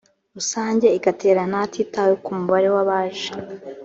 rusange igaterana hatitawe ku mubare w abaje